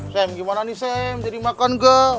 sam gimana nih sam jadi makan gak